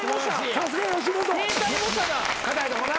さすが吉本。